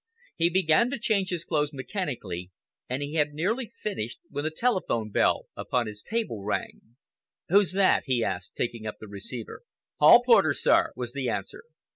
He began to change his clothes mechanically, and he had nearly finished when the telephone bell upon his table rang. "Who's that?" he asked, taking up the receiver. "Hall porter, sir," was the answer.